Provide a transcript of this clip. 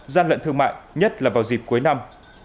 gian lận thương mại nhất là vào dịp cuối năm